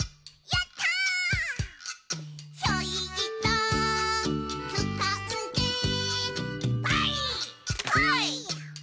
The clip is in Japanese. やったー！」